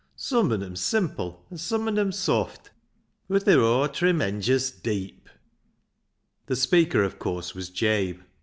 Some on 'em's simple an' some on 'em's sawft, bud ther aw tremenjous deep." The speaker, of course, was Jabe.